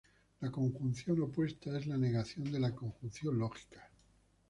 La conjunción opuesta es la negación de la conjunción lógica.